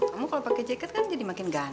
kamu kalau pake jaket kan jadi makin ganteng